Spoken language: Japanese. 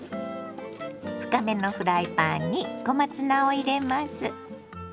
深めのフライパンに小松菜を入れます。